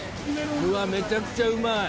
めちゃくちゃうまい。